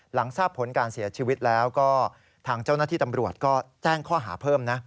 หลังทราบผลการเสียชีวิตแล้วก็ทางเจ้าหน้าที่ตำรวจก็แจ้งข้อหาเพิ่มนะ